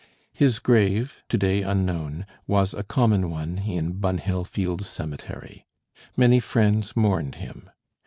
His grave, to day unknown, was a common one in Bunhill Fields Cemetery. Many friends mourned him.